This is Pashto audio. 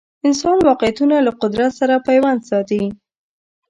انسان واقعیتونه له قدرت سره پیوند ساتي